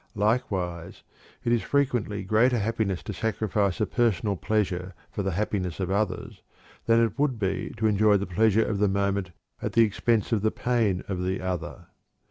Likewise, it is frequently greater happiness to sacrifice a personal pleasure for the happiness of others than it would be to enjoy the pleasure of the moment at the expense of the pain of the other.